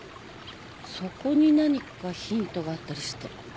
そこに何かヒントがあったりして。